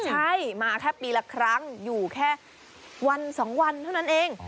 ใช่มาแค่ปีละครั้งอยู่แค่วันสองวันเท่านั้นเอง